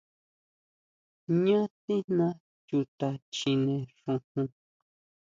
Jñá tijna chuta chjine xujun.